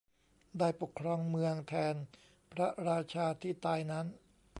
ได้ปกครองเมืองแทนพระราชาที่ตายนั้น